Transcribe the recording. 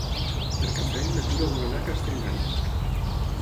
Per Cap d'Any na Tura vol anar a Castelldans.